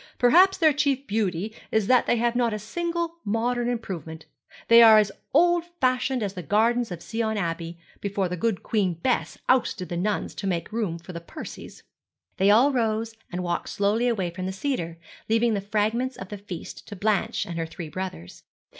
'Perhaps their chief beauty is that they have not a single modern improvement. They are as old fashioned as the gardens of Sion Abbey, before the good queen Bess ousted the nuns to make room for the Percies.' They all rose and walked slowly away from the cedar, leaving the fragments of the feast to Blanche and her three brothers.